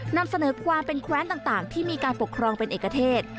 นำเสนอความเป็นแคว้นต่างที่มีการปกครองเป็นเอกเทศ